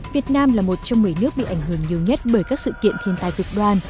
việt nam là một trong một mươi nước bị ảnh hưởng nhiều nhất bởi các sự kiện thiên tai cực đoan